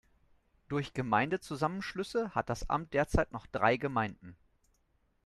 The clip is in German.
Durch Gemeindezusammenschlüsse hat das Amt derzeit noch drei Gemeinden.